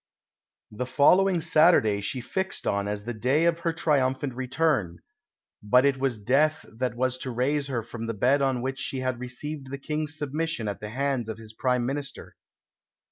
The following Saturday she fixed on as the day of her triumphant return "but it was death that was to raise her from the bed on which she had received the King's submission at the hands of his Prime Minister."